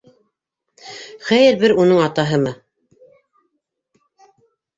Хәйер, бер уның атаһымы?